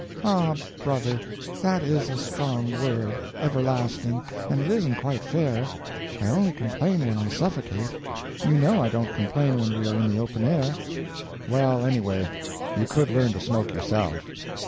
"Ah, brother, that is a strong word everlasting and isn't quite fair. I only complain when I suffocate; you know I don't complain when we are in the open air." "Well, anyway, you could learn to smoke yourself."